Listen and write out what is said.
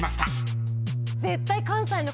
絶対。